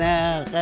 dari ambasador beh